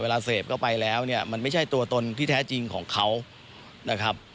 เวลาเสพเข้าไปแล้วเนี่ยมันไม่ใช่ตัวตนที่แท้จริงของเขานะครับ